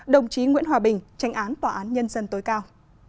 đồng chí nguyễn hòa bình tranh án tòa án nhân dân tối cao